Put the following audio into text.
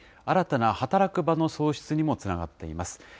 新たな働く場の創出にもつながっています。